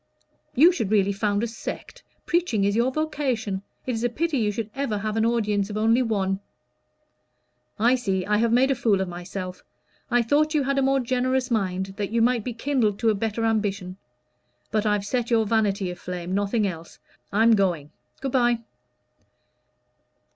"You should really found a sect. Preaching is your vocation. It is a pity you should ever have an audience of only one." "I see I have made a fool of myself. I thought you had a more generous mind that you might be kindled to a better ambition. But I've set your vanity aflame nothing else. I'm going. Good bye."